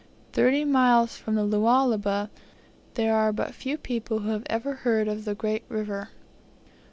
Thirty miles from the Lualaba, there were but few people who had ever heard of the great river.